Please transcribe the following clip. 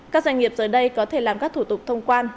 các doanh nghiệp giờ đây có thể làm các thủ tục thông quan